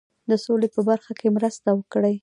د سولي په برخه کې مرسته وکړي.